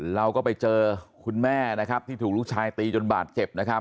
เราก็ไปเจอคุณแม่นะครับที่ถูกลูกชายตีจนบาดเจ็บนะครับ